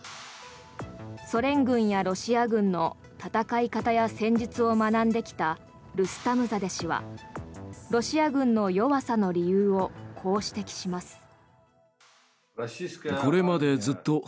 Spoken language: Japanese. ソ連軍やロシア軍の戦い方や戦術を学んできたルスタムザデ氏はロシア軍の弱さの理由をこう指摘します。